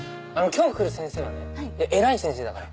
今日来る先生はね偉い先生だから。